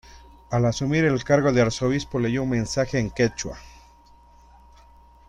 Al asumir el cargo de Arzobispo leyó un mensaje en quechua.